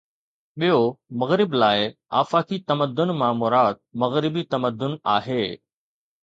ٻيو، مغرب لاءِ، آفاقي تمدن مان مراد مغربي تمدن آهي.